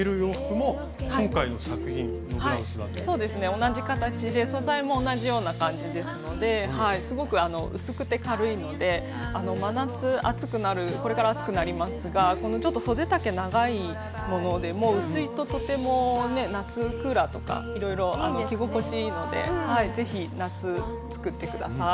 同じ形で素材も同じような感じですのですごく薄くて軽いので真夏暑くなるこれから暑くなりますがこのちょっとそで丈長いものでも薄いととてもね夏クーラーとかいろいろ着心地いいので是非夏作って下さい。